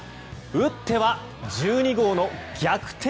打っては、１２号の逆転